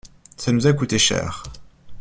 Ça nous a coûté cher.